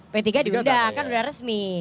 p tiga diundang kan sudah resmi